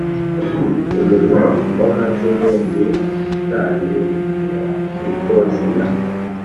umunwa w'amazimwe ni shitani iposita